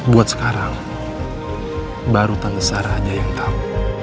buat sekarang baru tante sarah aja yang tau